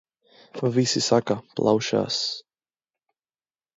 Visi saka – plaušas...